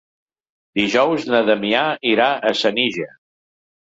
Dijous na Damià irà a Senija.